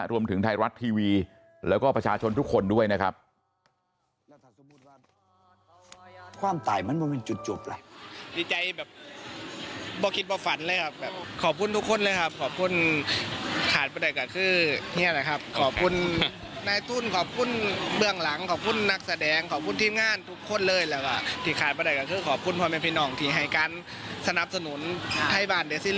รวมถึงไทยรัฐทีวีแล้วก็ประชาชนทุกคนด้วยนะครับ